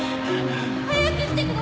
早く来てください！